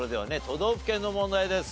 都道府県の問題です。